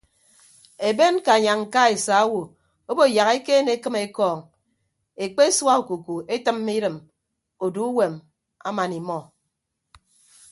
Eben ñkanya ñka esa owo obo yak ekeene ekịm ekọọñ ekpesua okuku etịmme idịm odu uwom aman imọ.